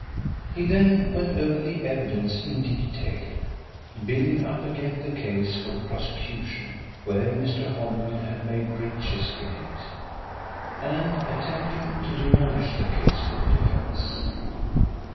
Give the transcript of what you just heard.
He then went over the evidence in detail, building up again the case for the prosecution where Mr. Holymead had made breaches in it, and attempting to demolish the case for the defence.